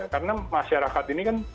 karena masyarakat ini kan